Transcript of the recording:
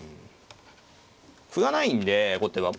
歩がないんで後手は。